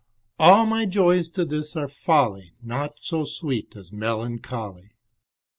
All my joys to this are folly, Naught so sweet as melancholy.